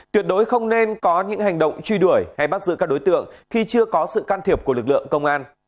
tuyệt đối không nên có những hành động truy đuổi hay bắt giữ các đối tượng khi chưa có sự can thiệp của lực lượng công an